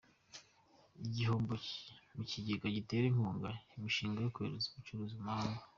Igihombo mu Kigega gitera Inkunga imishinga yo kohereza Ibicuruzwa mu mahanga